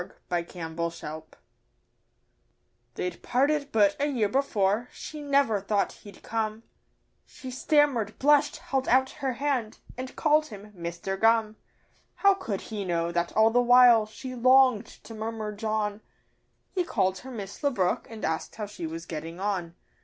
MARY CALLED HIM 'MISTER' They'd parted but a year before she never thought he'd come, She stammer'd, blushed, held out her hand, and called him 'Mister Gum.' How could he know that all the while she longed to murmur 'John.' He called her 'Miss le Brook,' and asked how she was getting on.